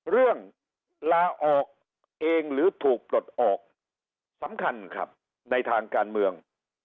ลาออกเองหรือถูกปลดออกสำคัญครับในทางการเมือง